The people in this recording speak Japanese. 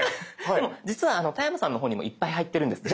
でも実は田山さんの方にもいっぱい入ってるんです。